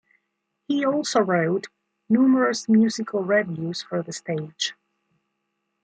He also wrote numerous musical revues for the stage.